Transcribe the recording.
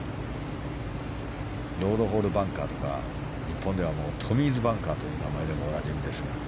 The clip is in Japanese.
ロードホールバンカーとか日本ではトミーズバンカーという名前でもおなじみですが。